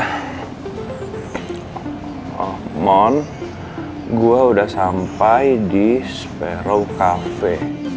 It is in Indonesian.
omon gue udah sampai di sparrow cafe